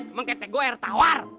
emang ketek gua air tawar